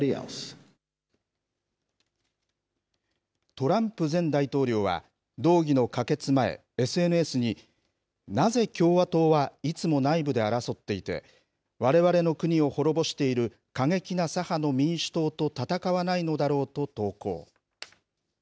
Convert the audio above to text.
トランプ前大統領は、動議の可決前、ＳＮＳに、なぜ共和党はいつも内部で争っていて、われわれの国を滅ぼしている過激な左派の民主党と闘わないのだろうと投稿。